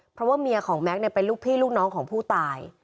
เพราะว่าเมียของแม็กซ์เป็นลูกพี่ลูกน้องของผู้ตาย